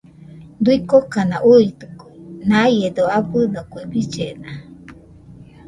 Kuikokana uitɨkue, naiedo abɨdo kue billena